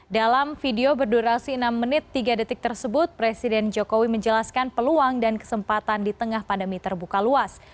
dalam video berdurasi enam menit tiga detik tersebut presiden jokowi menjelaskan peluang dan kesempatan di tengah pandemi terbuka luas